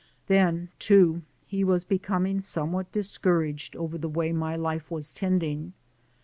Then too, he was becoming somewhat discouraged over the way my life was tending.